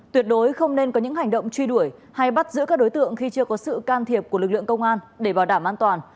tuyệt đối không nên có những hành động truy đuổi hay bắt giữ các đối tượng khi chưa có sự can thiệp của lực lượng công an để bảo đảm an toàn